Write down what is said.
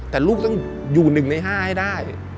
แต่ลูกต้องอยู่๑ใน๕ให้ได้